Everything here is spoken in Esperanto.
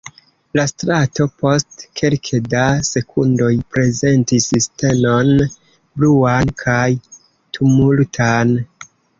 La strato post kelke da sekundoj prezentis scenon bruan kaj tumultan.